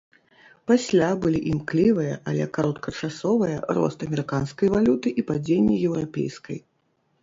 Пасля былі імклівыя, але кароткачасовыя рост амерыканскай валюты і падзенне еўрапейскай.